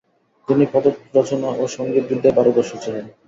তিনি পদরচনা ও সংগীত বিদ্যায় পারদর্শী ছিলেন।